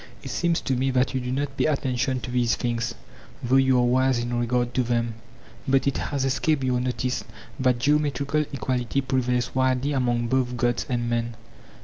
It seems to me that you do not pay attention to these things, though you are wise in regard to them. But it has escaped your notice that geometrical equality prevails widely among both gods and men.